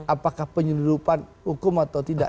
apakah penyeludupan hukum atau tidak